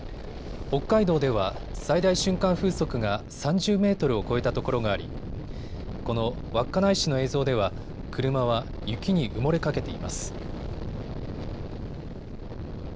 北海道では最大瞬間風速が３０メートルを超えたところがありこの稚内市の映像では車は雪に埋もれかけています。